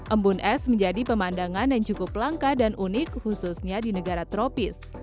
embun es menjadi pemandangan yang cukup langka dan unik khususnya di negara tropis